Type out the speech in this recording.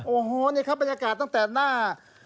โอ้โหนี่ครับบรรยากาศตั้งแต่หน้า